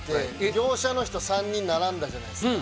業者の人３人並んだじゃないですか